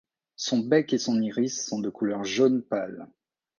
Son bec et son iris sont de couleur jaune pâle.